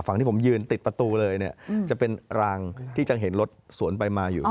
ฝั่งที่ผมยืนติดประตูเลยเนี่ยจะเป็นรางที่จะเห็นรถสวนไปมาอยู่